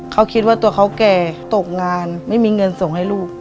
เขาคิดว่าตัวเขาแก่ตกงานไม่มีเงินส่งให้ลูก